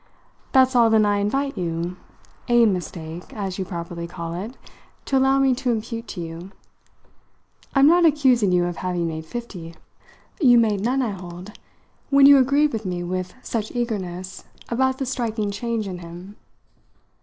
"That's all then I invite you a mistake, as you properly call it to allow me to impute to you. I'm not accusing you of having made fifty. You made none whatever, I hold, when you agreed with me with such eagerness about the striking change in him."